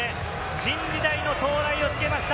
新時代の到来を告げました。